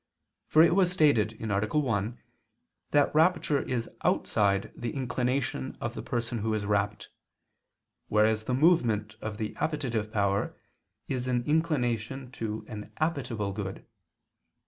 For it was stated (A. 1) that rapture is outside the inclination of the person who is rapt; whereas the movement of the appetitive power is an inclination to an appetible good.